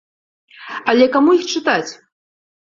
Але каму іх чытаць?